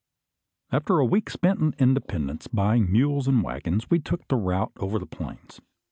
After a week spent in Independence buying mules and waggons, we took the route over the plains.